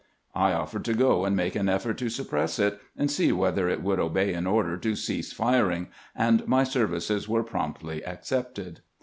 I offered to go and make an effort to suppress it, and see whether it would obey an order to " cease firing," and my services were promptly accepted.